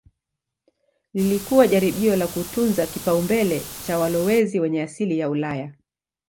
Lilikuwa jaribio la kutunza kipaumbele cha walowezi wenye asili ya Ulaya.